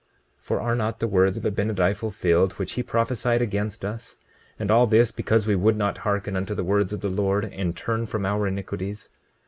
20:21 For are not the words of Abinadi fulfilled, which he prophesied against us—and all this because we would not hearken unto the words of the Lord, and turn from our iniquities?